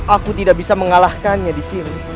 aku tidak bisa mengalahkannya di sini